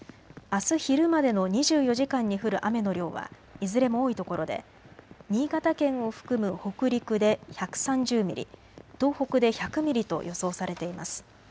あす昼までの２４時間に降る雨の量はいずれも多いところで新潟県を含む北陸で１３０ミリ、東北で１００ミリと予想されています。